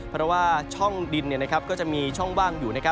เพราะว่าช่องดินก็จะมีช่องว่างอยู่